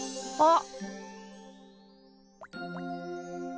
あっ！